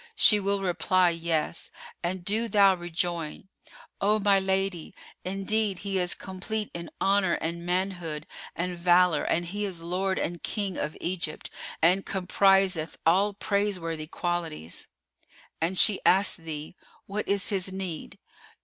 She will reply, Yes; and do thou rejoin:—O my lady, indeed he is complete in honour and manhood and valour and he is lord and King of Egypt and compriseth all praiseworthy qualities. An she ask thee, What is his need?